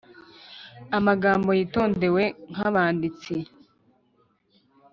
amagambo yitondewe nk'abanditsi,